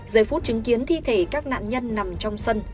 giây phút chứng kiến thi thể các nạn nhân nằm trong sân